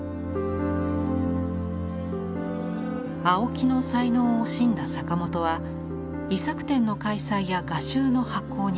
青木の才能を惜しんだ坂本は遺作展の開催や画集の発行に奔走。